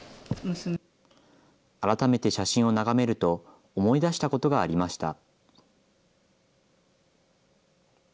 改めて写真を眺めると、思い出したことがありました。